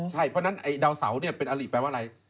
ใช่เพราะฉะนั้นดาวเสาเนี่ยเป็นอลิแปลว่าอะไร